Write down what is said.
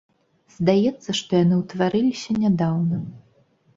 Здаецца, што яны ўтварыліся нядаўна.